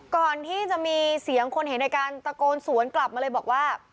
ก่อนที่จะมีเสียงคนเห็นในการตะโกนสวนกลับมาเลยบอกว่า